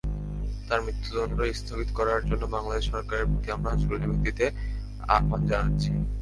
তাঁর মৃত্যুদণ্ড স্থগিত করার জন্য বাংলাদেশ সরকারের প্রতি আমরা জরুরিভিত্তিতে আহ্বান জানাচ্ছি।